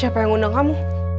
siapa yang undang kamu